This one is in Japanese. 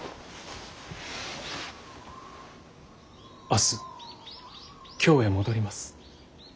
明日京へ戻ります。